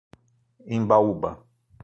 Embaúba